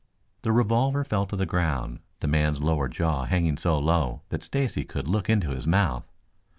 The revolver fell to the ground, the man's lower jaw hanging so low that Stacy could look into his mouth.